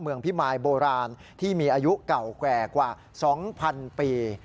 พิมายโบราณที่มีอายุเก่าแก่กว่า๒๐๐๐ปี